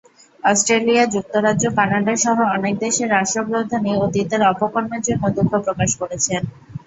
Australia, যুক্তরাজ্য, কানাডাসহ অনেক দেশের রাষ্ট্রপ্রধানই অতীতের অপকর্মের জন্য দুঃখ প্রকাশ করেছেন।